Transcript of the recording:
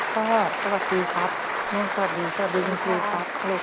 พ่อขอบภัยขอบพ่อจรูนค่ะ